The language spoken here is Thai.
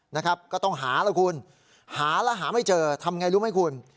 นะครับก็ต้องหาแล้วคุณหาแล้วหาไม่เจอทำไงรู้ไหมคุณ